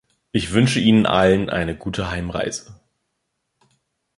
Ich wünsche Ihnen allen eine gute Heimreise!